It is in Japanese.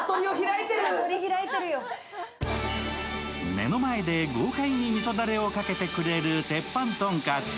目の前で豪快にみそだれをかけてくれる鉄板とんかつ。